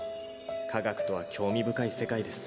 「科学とは興味深い世界です」